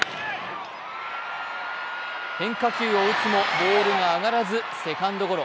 変化球を打つもボールが上がらずセカンドゴロ。